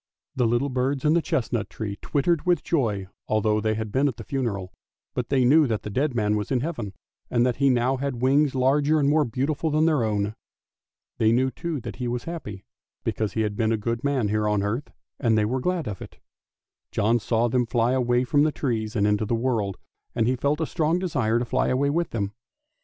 The little birds in the chestnut tree twittered with joy although they had been at the funeral, but they knew that the dead man was in Heaven, and that he now had wings larger and more beautiful than their own. They knew, too, that he was happy, because he had been a good man here on earth, and they were glad of it. John saw them fly away from the trees out into the world, and he felt a strong desire to fly away with them.